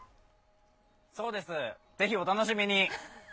そうです、ぜひお楽しみに。